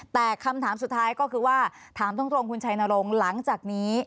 แต่คำถามสุดท้ายก็คือว่าถามตรงคุณชัยนรงค์หลังจากนี้